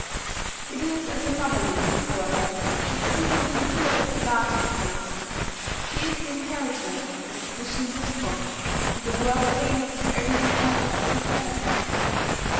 It is as a novelist, however, that Stevenson fills the largest place. He is the inheritor of the traditions of Scott, with the world pain of his own epoch superadded.